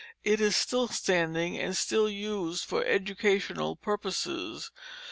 It is still standing and still used for educational purposes.